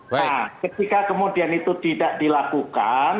nah ketika kemudian itu tidak dilakukan